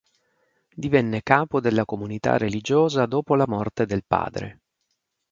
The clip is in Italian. Divenne capo della comunità religiosa dopo la morte del padre.